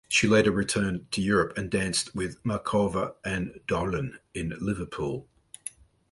She later returned to Europe and danced with Markova and Dolin in Liverpool.